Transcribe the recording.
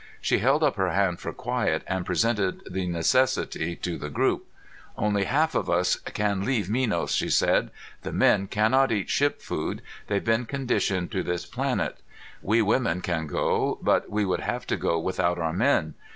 She held up her hand for quiet, and presented the necessity to the group. "Only half of us can leave Minos," she said. "The men cannot eat ship food; they've been conditioned to this planet. We women can go, but we would have to go without our men.